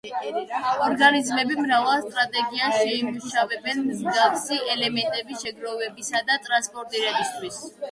ორგანიზმები მრავალ სტრატეგიას შეიმუშავებენ მსგავსი ელემენტების შეგროვებისა და ტრანსპორტირებისთვის.